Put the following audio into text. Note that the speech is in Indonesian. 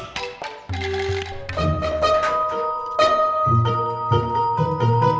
masa itu aku mau beli es krim